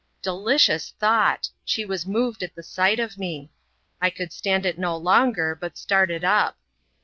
Delicious thought! she was moved at the sight of me. I could stand it no longer, but started up.